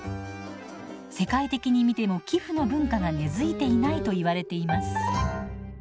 世界的に見ても寄付の文化が根づいていないといわれています。